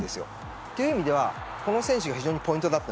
そういう意味では、この選手が非常にポイントでした。